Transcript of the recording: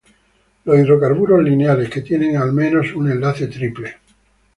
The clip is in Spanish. Los hidrocarburos lineales que tienen al menos un enlace triple.